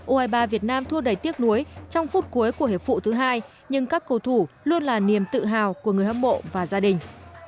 u hai mươi ba việt nam thua đầy tiếc nuối trong phút cuối của hiệp phụ thứ hai nhưng các cầu thủ luôn là niềm tự hào của người hâm mộ và gia đình